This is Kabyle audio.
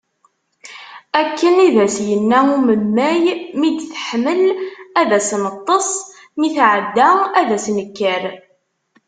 Akken i d as-yenna umemmay, mi d-teḥmel ad as-neṭṭes, mi tɛedda ad as-nekker.